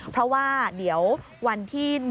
เพราะว่าเดี๋ยววันที่๑